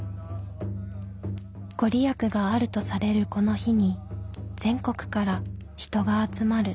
御利益があるとされるこの日に全国から人が集まる。